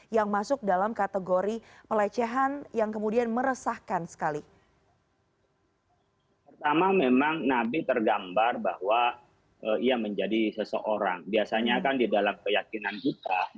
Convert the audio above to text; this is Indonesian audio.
yang masuk dalam hal ini